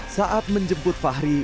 saat menjemput fahri